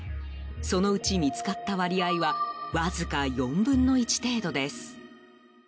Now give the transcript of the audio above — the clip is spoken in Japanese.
そのうち、見つかった割合はわずか４分の１程度です。